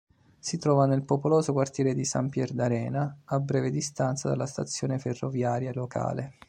Si trova nel popoloso quartiere di Sampierdarena, a breve distanza dalla stazione ferroviaria locale.